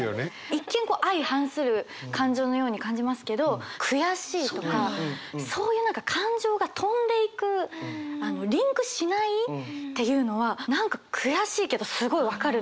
一見相反する感情のように感じますけど「悔しい」とかそういう何か感情が飛んでいくリンクしないっていうのは何か悔しいけどすごい分かるので。